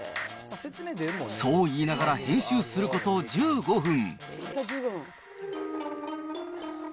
そう言いながら編集すること１５分。